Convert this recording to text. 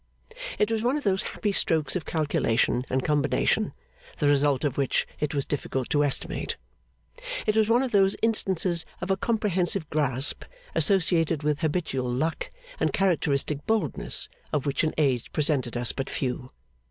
It was one of those happy strokes of calculation and combination, the result of which it was difficult to estimate. It was one of those instances of a comprehensive grasp, associated with habitual luck and characteristic boldness, of which an age presented us but few.